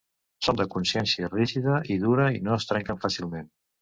Són de consistència rígida i dura i no es trenquen fàcilment.